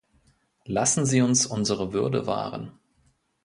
Lassen Sie uns unsere Würde wahren.